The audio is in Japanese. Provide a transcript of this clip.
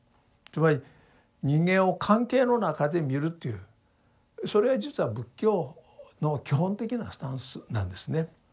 つまり人間を関係の中で見るというそれは実は仏教の基本的なスタンスなんですね。